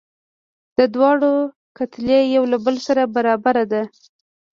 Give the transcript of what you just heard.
د دواړو کتلې یو له بل سره برابره ده.